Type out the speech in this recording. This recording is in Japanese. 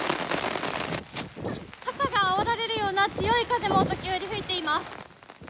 傘があおられるような強い風も時折吹いています。